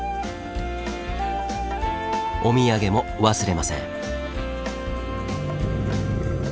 お土産も忘れません。